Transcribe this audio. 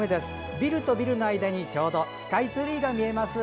ビルとビルの間にちょうどスカイツリーが見えます。